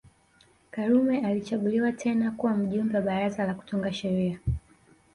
Karume alichaguliwa tena kuwa Mjumbe wa Baraza la Kutunga Sheria